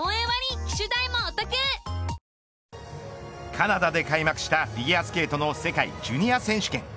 カナダで開幕したフィギュアスケートの世界ジュニア選手権。